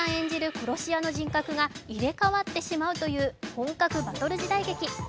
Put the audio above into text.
殺し屋の人格が入れ代わってしまうという本格バトル時代劇。